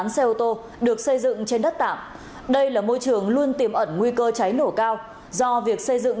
cục cảnh sát giao thông